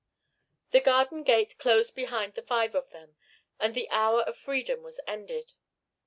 The garden gate closed behind the five of them, and the hour of freedom was ended.